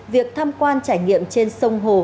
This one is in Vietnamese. việc tham quan trải nghiệm trên sông hồ